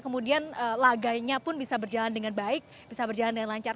kemudian laganya pun bisa berjalan dengan baik bisa berjalan dengan lancar